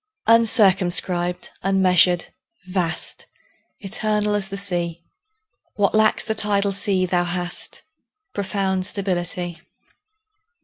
UNCIRCUMSCRIBED, unmeasured, vast, Eternal as the Sea; What lacks the tidal sea thou hast Profound stability.